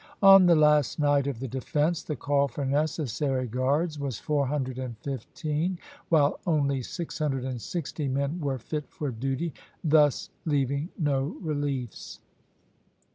On the last night of the defence the call for necessary guards was four hundred and fifteen, while only six hundred and sixty men were fit for duty, thus leaving no reliefs.